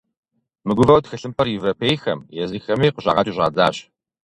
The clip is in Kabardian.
Мыгувэу тхылъымпӏэр европейхэм, езыхэми къыщӏагъэкӏыу щӏадзащ.